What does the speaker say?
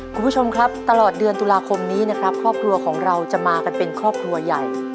คุณผู้ชมครับตลอดเดือนตุลาคมนี้นะครับครอบครัวของเราจะมากันเป็นครอบครัวใหญ่